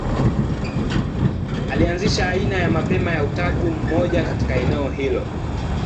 Ilianzisha aina ya mapema ya utatu mmoja katika eneo hilo.